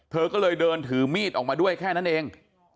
เธอก็เลยเดินถือมีดออกมาด้วยแค่นั้นเอง